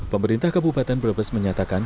pemerintah kabupaten brebes menyatakan